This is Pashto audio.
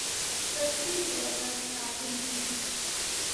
سرتیری د وطن ساتونکی دی